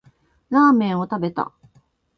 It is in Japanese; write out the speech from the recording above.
ラーメンを食べた